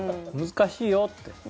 難しいよって。